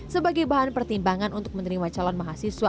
sebagai bahan pertimbangan untuk menerima calon mahasiswa